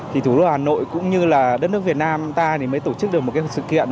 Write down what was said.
thì thủ đô hà nội cũng như là đất nước việt nam ta thì mới tổ chức được một cái sự kiện